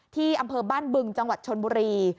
ที่อำเภอบ้านบึงจังหวัดชนบุรี